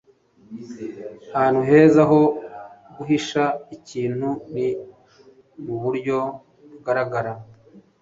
Ahantu heza ho guhisha ikintu ni muburyo bugaragara